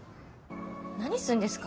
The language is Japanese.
何するんですか？